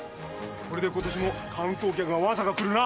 これで今年も観光客がワンサカ来るな。